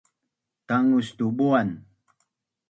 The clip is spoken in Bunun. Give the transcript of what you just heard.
Tangus tu buan